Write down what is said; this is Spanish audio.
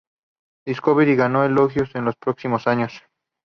Discovery ganó elogios en los próximos años.